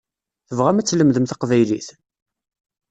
Tebɣam ad tlemdem taqbaylit?